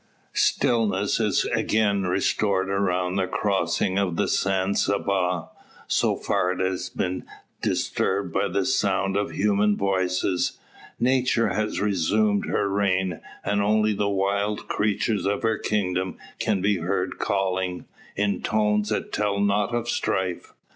Stillness is again restored around the crossing of the San Saba, so far as it has been disturbed by the sound of human voices. Nature has resumed her reign, and only the wild creatures of her kingdom can be heard calling, in tones that tell not of strife.